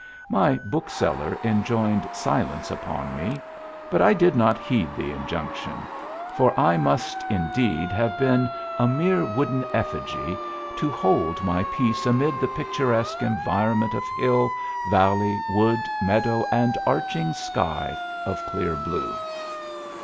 My bookseller enjoined silence upon me, but I did not heed the injunction, for I must, indeed, have been a mere wooden effigy to hold my peace amid that picturesque environment of hill, valley, wood, meadow, and arching sky of clear blue.